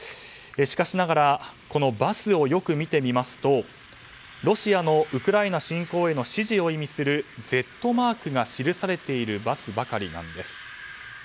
しかしながらこのバスをよく見てみますとロシアのウクライナ侵攻への支持を意味するＺマークが記されているバスばかりなんです。